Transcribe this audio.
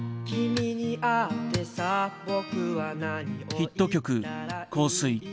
ヒット曲「香水」。